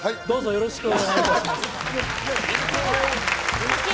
よろしくお願いします